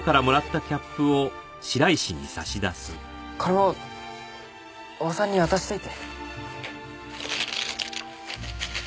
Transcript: これもおばさんに渡しといて。